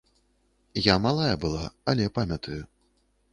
Я малая была, але памятаю.